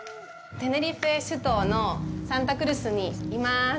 テネリフェ首都のサンタ・クルスにいます。